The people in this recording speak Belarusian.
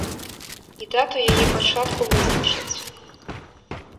І дату яе пачатку вызначаць.